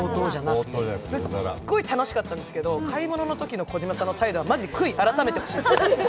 すっごい楽しかったんですけど、買い物のときの藤森さん、悔い改めてほしいです